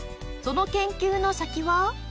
その研究の先は？